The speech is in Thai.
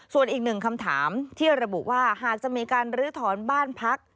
ส่วนอีกหนึ่งคำถามที่ระบุว่าหากจะมีการลื้อถอนบ้านพัก